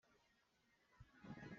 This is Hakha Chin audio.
A um ko nain ṭelephone a tlai lo.